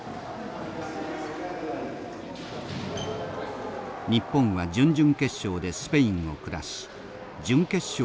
日本は準々決勝でスペインを下し準決勝に勝ち上がっていました。